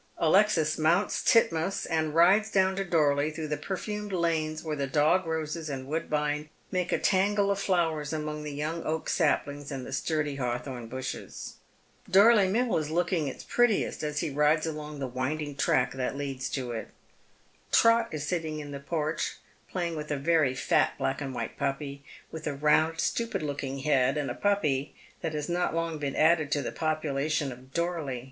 Alexis mounts Titmouse and rides down to Dorlcy, through the perfumed lanes wher6 tha dog roses and woodbine make a tangle of flowers among the young oak saphngs and the sturdy hawthorn bushes. Dorley Mill is looking its prettiest as he rides along the winding track that leads to it. Trot is sitting in the porch playing with a very fat black and white puppy with a round stupid looking head, a puppy that has not long been added to the population of Dorley.